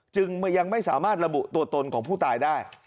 ยังไม่สามารถระบุตัวตนของผู้ตายได้